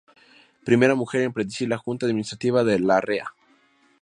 Primera mujer en presidir la Junta Administrativa de Larrea.